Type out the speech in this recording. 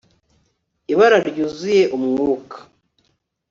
ibara ryuzuye umwuka